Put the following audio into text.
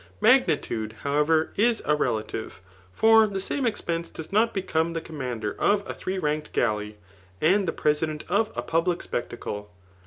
Magnitude, however, is a relative; for the saiade eixpense does not become the commander of a three ranked galleys and the president of a public spec tacle.